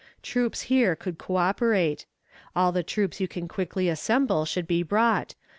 Troops here could coöperate. All the troops you can quickly assemble should be brought.